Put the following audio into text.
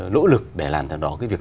nỗ lực để làm cho nó cái việc